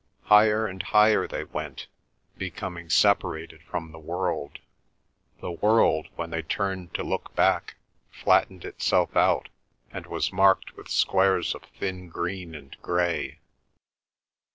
Higher and higher they went, becoming separated from the world. The world, when they turned to look back, flattened itself out, and was marked with squares of thin green and grey.